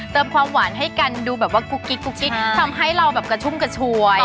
เติมความหวานให้กันดูแบบว่ากุ๊กกิ๊กทำให้เราแบบกระชุ่มกระชวย